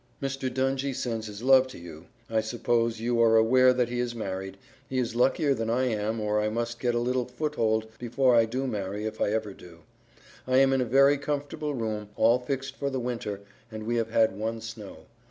Mr. Dungy sends his love to you I suppose you are aware that he is married, he is luckier than I am or I must get a little foothold before I do marry if I ever do. I am in a very comfortable room all fixed for the winter and we have had one snow.